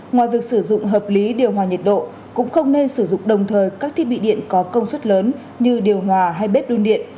ngoài việc sử dụng hợp lý điều hòa nhiệt độ cũng không nên sử dụng đồng thời các thiết bị điện có công suất lớn như điều hòa hay bếp đun điện